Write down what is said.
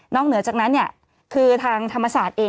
เหนือจากนั้นคือทางธรรมศาสตร์เอง